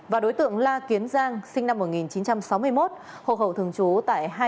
và đối tượng la kiến giang sinh năm một nghìn chín trăm sáu mươi một hộ khẩu thường trú tại hai trăm tám mươi hai